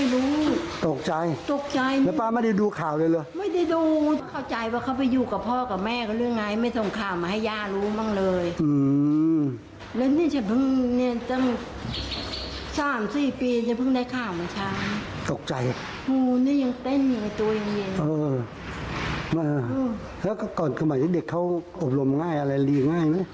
แล้วก็ก่อนสมัยที่เด็กเขาอบรมง่ายอะไรดีง่ายนะ